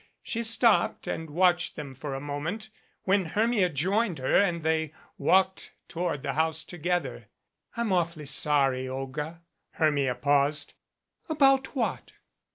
She stopped and watched them for a moment, when Hermia joined her and they walked toward the house together. "I'm awfully sorry, Olga " Hermia paused. "About what?"